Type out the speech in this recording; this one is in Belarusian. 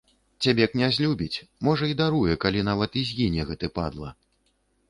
Цябе князь любіць, можа, і даруе, калі нават і згіне гэты падла.